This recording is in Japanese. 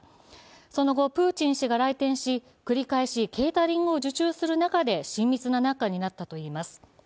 その後、プーチン氏が来店し繰り返しケータリングを受注する中で親密な仲になったといいます。